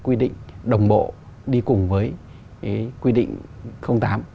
quy định đồng bộ đi cùng với quy định tám